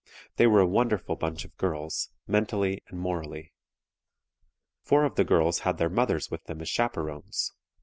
They were a wonderful bunch of girls, mentally and morally. Four of the girls had their mothers with them as chaperones.